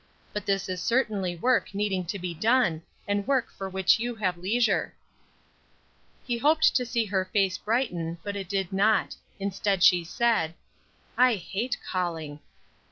But this is certainly work needing to be done, and work for which you have leisure." He hoped to see her face brighten, but it did not. Instead she said: "I hate calling."